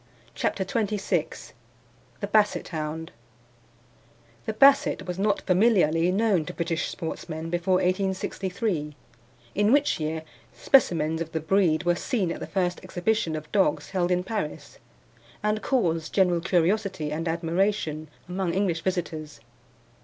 CHAPTER XXVI THE BASSET HOUND The Basset was not familiarly known to British sportsmen before 1863, in which year specimens of the breed were seen at the first exhibition of dogs held in Paris, and caused general curiosity and admiration among English visitors.